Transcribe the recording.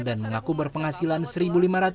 dan mengaku berpenghasilan rp satu lima ratus